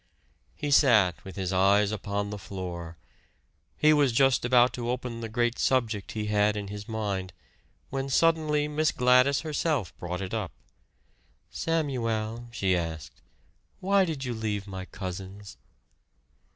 He sat with his eyes upon the floor. He was just about to open the great subject he had in his mind, when suddenly Miss Gladys herself brought it up. "Samuel," she asked, "why did you leave my cousin's?"